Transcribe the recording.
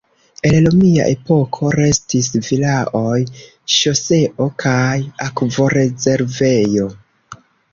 El romia epoko restis vilaoj, ŝoseo, kaj akvorezervejo.